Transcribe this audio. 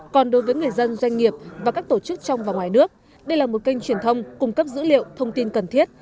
còn đối với người dân doanh nghiệp và các tổ chức trong và ngoài nước đây là một kênh truyền thông cung cấp dữ liệu thông tin cần thiết